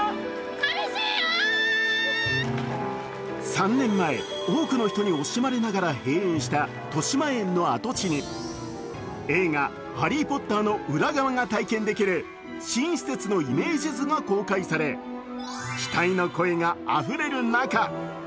３年前、多くの人に惜しまれながら閉園したとしまえんの跡地に映画「ハリー・ポッター」の裏側が体験できる新施設のイメージ図が公開され、期待の声があふれる中